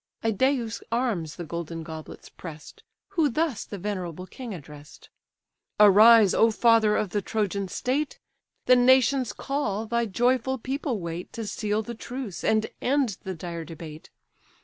Idæus' arms the golden goblets press'd, Who thus the venerable king address'd: "Arise, O father of the Trojan state! The nations call, thy joyful people wait To seal the truce, and end the dire debate.